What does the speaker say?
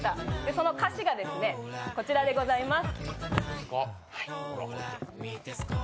その歌詞がこちらでございます。